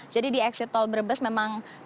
jadi di exit tol brebes memang kendaraan